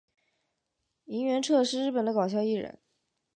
萤原彻是日本的搞笑艺人。